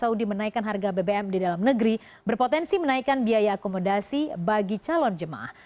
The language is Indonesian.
saudi menaikkan harga bbm di dalam negeri berpotensi menaikkan biaya akomodasi bagi calon jemaah